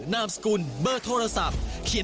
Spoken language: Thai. ยังไม่ได้เลย